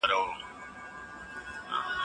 که مې کوله بيا به ستا سره کومه